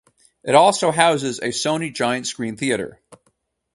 It also houses a Sony Giant Screen theater.